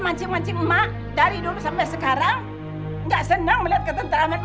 mancing mancing mak dari dulu sampai sekarang enggak senang melihat ketenteraan mak